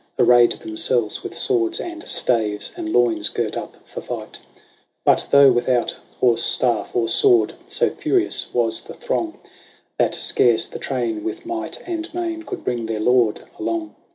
Arrayed themselves with swords and staves, and loins girt up for fight. But, though without or staff or sword, so furious was the throng, That scarce the train with might and main could bring their lord along.